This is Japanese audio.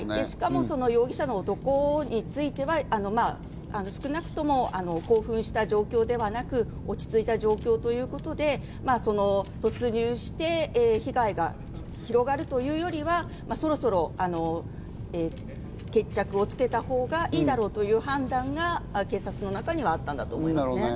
しかも容疑者の男については少なくとも興奮した状況ではなく落ち着いた状況ということで、突入して、被害が広がるというよりはそろそろ決着をつけたほうがいいだろうという判断が警察の中にはあったんだと思います。